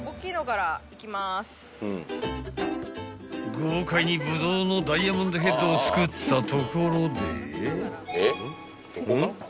［豪快にブドウのダイヤモンドヘッドを作ったところで］